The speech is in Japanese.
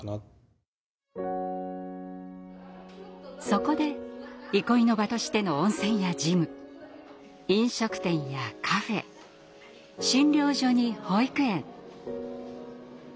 そこで憩いの場としての温泉やジム飲食店やカフェ診療所に保育園。